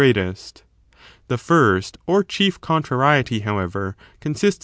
greatest. The first or chief contrariety, however, consists ^„^,^• 1.